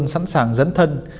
sẵn sàng dẫn thân